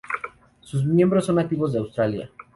Sus miembros son nativos de Australia.